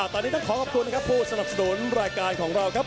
ตอนนี้ต้องขอขอบคุณนะครับผู้สนับสนุนรายการของเราครับ